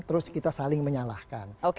terus kita saling menyalahkan